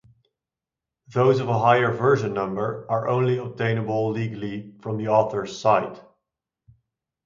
Those of a higher version number are only obtainable legally from the author's site.